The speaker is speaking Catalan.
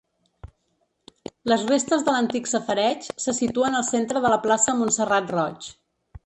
Les restes de l'antic safareig se situen al centre de la plaça Montserrat Roig.